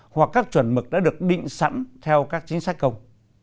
hoặc các chuẩn mực đã được định sẵn theo các chính sách công